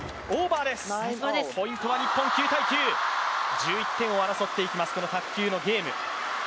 １１点を争っていきます、この卓球のゲーム。